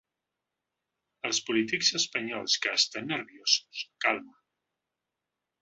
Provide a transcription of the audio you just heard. Als polítics espanyols que estan nerviosos, calma.